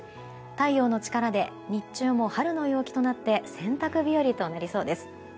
太陽の力で日中も春の陽気となって洗濯日和となりそうです。